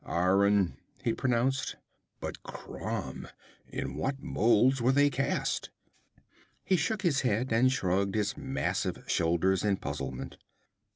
'Iron,' he pronounced. 'But Crom! In what molds were they cast?' He shook his head and shrugged his massive shoulders in puzzlement.